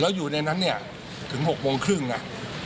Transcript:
แล้วอยู่ในนั้นเนี่ยถึง๖โมงครึ่งนะ